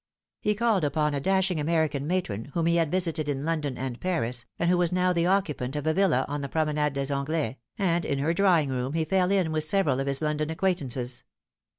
He called upon a dashing American matron whom he had visited in London and Paris, and who was now the occupant of a villa on the Prome nade des Anglais, and in her drawing room he fell in with several of his London acquaintances.